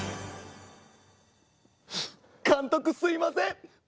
監督すいません。